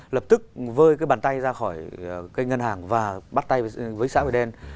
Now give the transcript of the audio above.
lập tức vơi cái bàn tay ra khỏi cây ngân hàng và bắt tay với xã hội đen